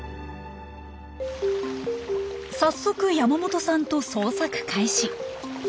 さっそく山本さんと捜索開始。